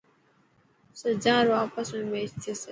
سجان رو آپس ۾ ميچ ٿيسي.